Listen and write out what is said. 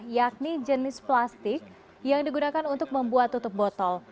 yakni jenis plastik yang digunakan untuk membuat tutup botol